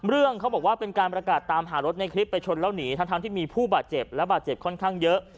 เรื่องเขาบอกว่าเป็นการประกาศตามหารถในคลิปไปชนแล้วหนีทั้งที่มีผู้บาดเจ็บและบาดเจ็บค่อนข้างเยอะ